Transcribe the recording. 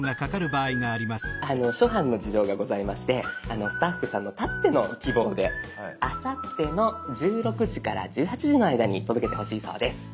あの諸般の事情がございましてスタッフさんのたっての希望であさっての１６時から１８時の間に届けてほしいそうです。